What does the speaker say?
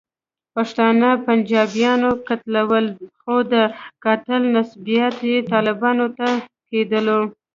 پښتانه پنجابیانو قتلول، خو د قاتل نسبیت یې طالبانو ته کېدلو.